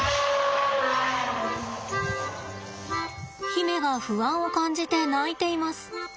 媛が不安を感じて鳴いています。